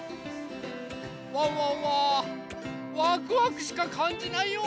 ワンワンはワクワクしかかんじないよ！